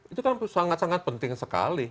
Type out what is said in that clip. itu sangat penting sekali